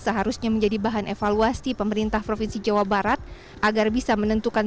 seharusnya menjadi bahan evaluasi pemerintah provinsi jawa barat agar bisa menentukan